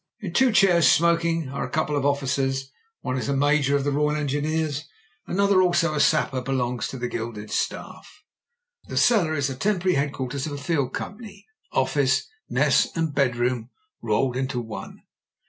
In two chairs, smoking, are a couple of officers. One is a major of the Royal Engineers, and another, also a sapper, belongs to the gilded staff. The cellar is the temporary headquarters of a field company — office, mess, and bedroom rolled into one.